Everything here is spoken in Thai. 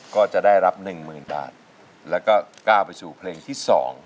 ก็จะได้รับ๑๐๐๐บาทแล้วก็ก้าวไปสู่เพลงที่๒